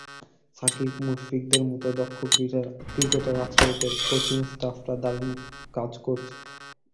সাকিব, মুশফিকদের মতো দক্ষ ক্রিকেটার আছে ওদের, কোচিং স্টাফরা দারুণ কাজ করছে।